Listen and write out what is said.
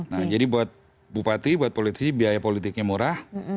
nah jadi buat bupati buat politisi biaya politiknya murah